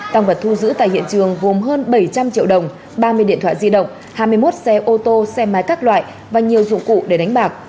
tăng vật thu giữ tại hiện trường gồm hơn bảy trăm linh triệu đồng ba mươi điện thoại di động hai mươi một xe ô tô xe máy các loại và nhiều dụng cụ để đánh bạc